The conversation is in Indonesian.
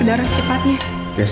anak kamu ditamu bah challenges